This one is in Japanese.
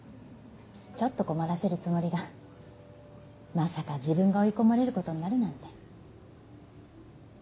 ちょっと困らせるつもりがまさか自分が追い込まれることになるなんて。